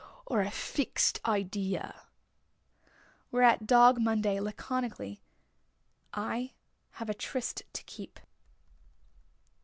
Or a fixed idea?" Whereat Dog Monday, laconically: "I have a tryst to keep."